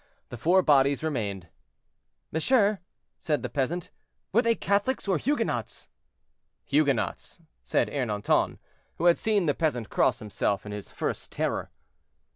The four bodies remained. "Monsieur," said the peasant, "were they Catholics or Huguenots?" "Huguenots," said Ernanton, who had seen the peasant cross himself in his first terror.